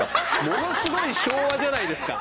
ものすごい昭和じゃないですか。